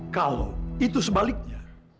kalau itu sebaliknya